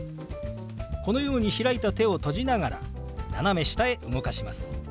このように開いた手を閉じながら斜め下へ動かします。